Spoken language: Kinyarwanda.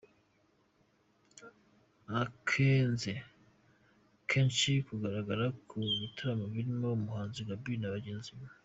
Akenze kenshi kugaragara mu bitaramo birimo umuhanzi Gaby na bagenzi be.